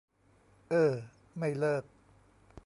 เอ้อ ไม่เลิก